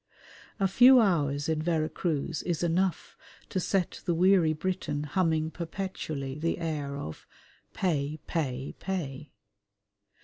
A few hours in Vera Cruz is enough to set the weary Briton humming perpetually the air of "Pay, pay, pay."